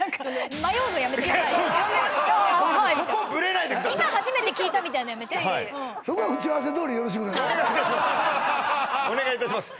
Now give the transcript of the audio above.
今初めて聞いたみたいなのやめてお願いいたします